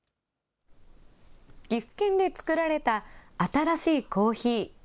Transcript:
岐阜県で作られた新しいコーヒー。